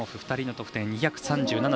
２人の得点２３７．７１。